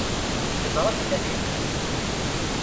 Yeẓra belli ad immet.